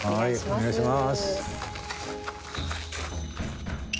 お願いします。